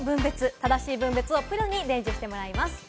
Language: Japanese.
正しい分別をプロに伝授してもらいます。